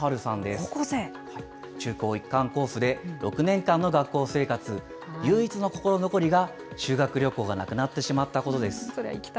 中高一貫コースで、６年間の学校生活、唯一の心残りが、修学旅行がなくなってしまったことです。